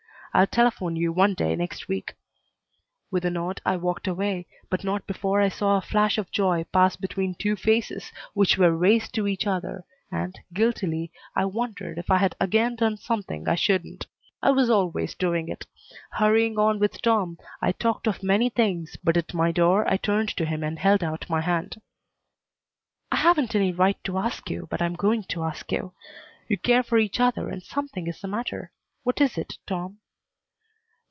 I'll telephone you one day next week." With a nod I walked away, but not before I saw a flash of joy pass between two faces which were raised to each other, and, guiltily, I wondered if I had again done something I shouldn't. I was always doing it. Hurrying on with Tom, I talked of many things, but at my door I turned to him and held out my hand. "I haven't any right to ask you, but I'm going to ask you. You care for each other and something is the matter. What is it, Tom?"